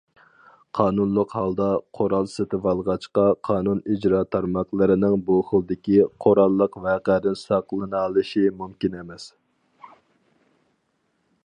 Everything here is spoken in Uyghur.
قانۇنلۇق ھالدا قورال سېتىۋالغاچقا، قانۇن ئىجرا تارماقلىرىنىڭ بۇ خىلدىكى قوراللىق ۋەقەدىن ساقلىنالىشى مۇمكىن ئەمەس.